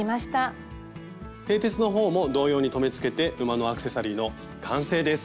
てい鉄の方も同様に留めつけて馬のアクセサリーの完成です！